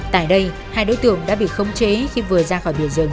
tại đây hai đối tượng đã bị khống chế khi vừa ra khỏi biển rừng